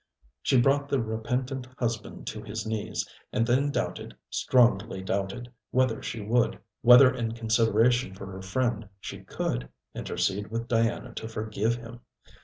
She brought the repentant husband to his knees, and then doubted, strongly doubted, whether she would, whether in consideration for her friend she could, intercede with Diana to forgive him.